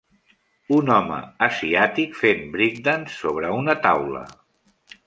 Un home asiàtic fent breakdance sobre una taula.